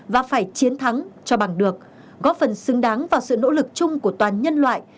và phải chiến thắng cho bằng được góp phần xứng đáng vào sự nỗ lực chung của toàn nhân loại